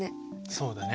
そうだね。